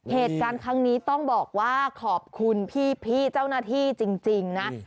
เหตุการณ์ครั้งนี้ต้องบอกว่าขอบคุณพี่เจ้าหน้าที่จริงนะ